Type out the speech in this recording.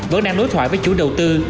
vẫn đang đối thoại với chủ đầu tư